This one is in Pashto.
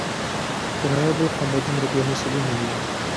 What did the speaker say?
د نړۍ بل قوم به دومره بې حوصلې نه وي.